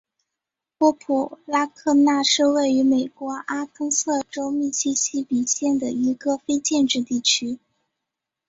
波普拉科纳是位于美国阿肯色州密西西比县的一个非建制地区。